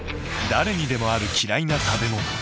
誰にでもあるきらいな食べ物。